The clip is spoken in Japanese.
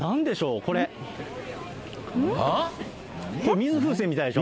これ、水風船みたいでしょ。